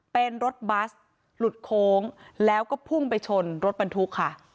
เป็นรถบัสหลุดโค้งแล้วก็พุ่งไปชนรถบรรทุกค่ะ